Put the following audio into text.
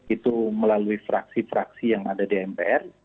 itu melalui fraksi fraksi yang ada di mpr